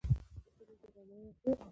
د ښځو د درناوي اهمیت